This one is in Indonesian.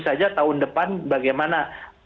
saja tahun depan bagaimana